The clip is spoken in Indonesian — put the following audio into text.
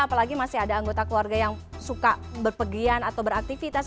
apalagi masih ada anggota keluarga yang suka berpergian atau beraktivitas